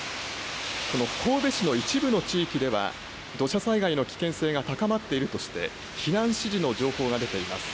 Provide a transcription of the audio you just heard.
この神戸市の一部の地域では土砂災害の危険性が高まっているとして避難指示の情報が出ています。